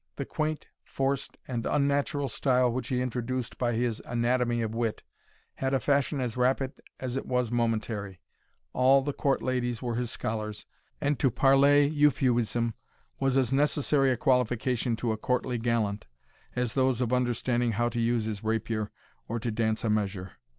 The quaint, forced, and unnatural style which he introduced by his "Anatomy of Wit," had a fashion as rapid as it was momentary all the court ladies were his scholars, and to parler Euphuisme, was as necessary a qualification to a courtly gallant, as those of understanding how to use his rapier, or to dance a measure.